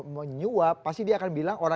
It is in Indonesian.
menyuap pasti dia akan bilang orang